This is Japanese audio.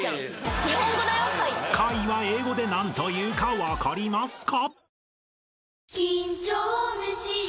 ［貝は英語で何というか分かりますか？］